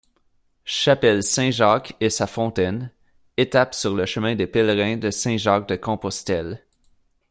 Chapelle Saint-Jacques et sa fontaine, étape sur le chemin des pèlerins de Saint-Jacques-de-Compostelle.